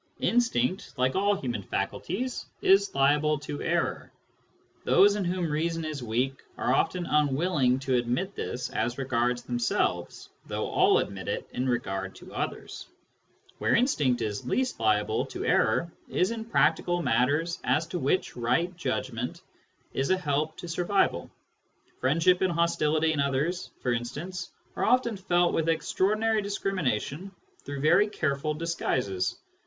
Instinct, like all human faculties, is liable to error. Those in whom reason is weak are often unwilling to admit this as regards themselves, though all admit it in regard to others. Where instinct is least liable to error is in practical matters as to which right judgment is a help to survival ; friendship and hostility in others, for instance, are often felt with extraordinary discrimination through very care ful disguises.